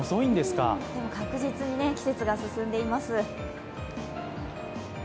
確実に、季節が進んでいます。